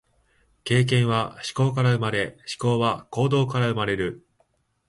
経験は思考から生まれ、思考は行動から生まれる。